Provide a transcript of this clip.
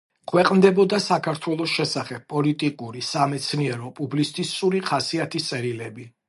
ქვეყნდებოდა საქართველოს შესახებ პოლიტიკური, სამეცნიერო, პუბლიცისტური ხასიათის წერილები.